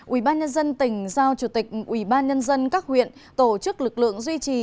ubnd tỉnh giao chủ tịch ubnd các huyện tổ chức lực lượng duy trì